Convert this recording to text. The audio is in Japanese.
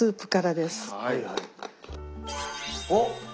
おっ！